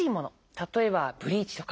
例えばブリーチとか。